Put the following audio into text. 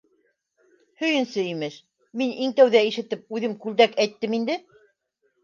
— Һөйөнсө имеш, мин иң тәүҙә ишетеп, үҙем күлдәк әйттем инде.